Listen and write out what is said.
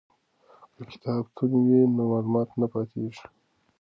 که کتابتون وي نو معلومات نه پاتیږي.